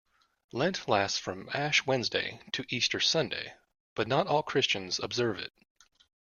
Lent lasts from Ash Wednesday to Easter Sunday, but not all Christians observe it.